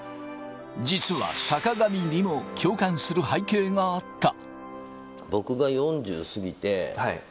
実は坂上にも共感する背景があった。